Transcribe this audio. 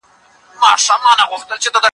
ځوانان د ستونزو په اړه باید ځان ښکاره کړي.